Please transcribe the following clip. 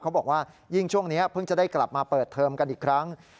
บอกว่ายิ่งช่วงนี้เพิ่งจะได้กลับมาเปิดเทอมกันอีกครั้ง